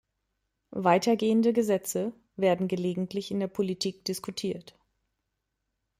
Weitergehende Gesetze werden gelegentlich in der Politik diskutiert.